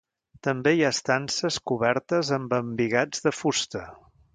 També hi ha estances cobertes amb embigats de fusta.